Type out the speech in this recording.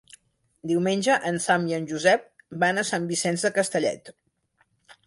Diumenge en Sam i en Josep van a Sant Vicenç de Castellet.